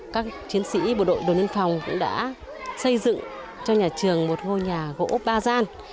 các chiến sĩ bộ đội biên phòng cũng đã xây dựng cho nhà trường một ngôi nhà gỗ ba gian